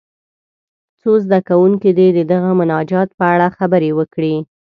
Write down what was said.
څو زده کوونکي دې د دغه مناجات په اړه خبرې وکړي.